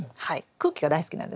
空気が大好きなんですね。